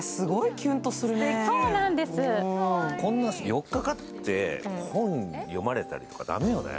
よっかかって本を読まれたりとか、駄目よね。